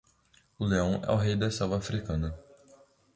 O leão é o rei da selva africana